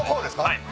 はい。